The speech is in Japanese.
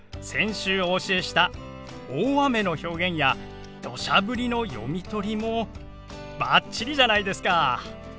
先週お教えした「大雨」の表現や「どしゃ降り」の読み取りもバッチリじゃないですか！